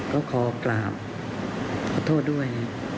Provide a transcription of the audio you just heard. ก็ขอกราบขอโทษด้วย